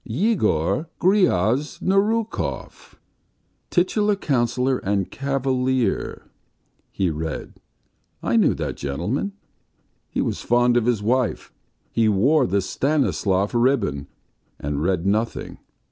"Yegor Gryaznorukov, titular councillor and cavalier .." he read. "I knew that gentleman. He was fond of his wife, he wore the Stanislav ribbon, and read nothing.